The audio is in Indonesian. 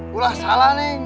pula salah neng